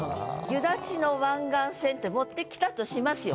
「夕立の湾岸線」って持ってきたとしますよ